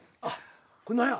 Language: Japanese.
これ何や？